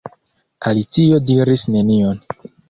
Alicio diris nenion.